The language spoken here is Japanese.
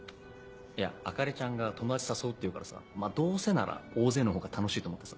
いや朱里ちゃんが友達誘うっていうからさまぁどうせなら大勢の方が楽しいと思ってさ。